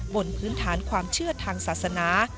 บนพื้นฐานความเชื่อทางศาสนา